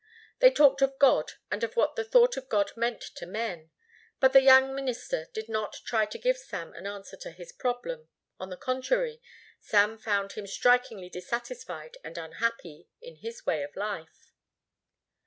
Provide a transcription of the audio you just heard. They talked of God and of what the thought of God meant to men; but the young minister did not try to give Sam an answer to his problem; on the contrary, Sam found him strikingly dissatisfied and unhappy in his way of life.